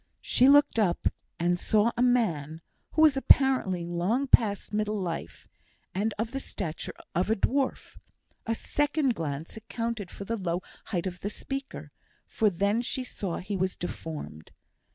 She looked up and saw a man, who was apparently long past middle life, and of the stature of a dwarf; a second glance accounted for the low height of the speaker, for then she saw he was deformed.